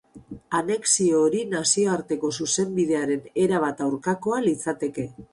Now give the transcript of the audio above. Anexio hori nazioarteko zuzenbidearen erabat aurkakoa litzateke.